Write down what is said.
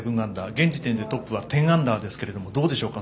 現時点でトップは１０アンダーですけどどうでしょうか。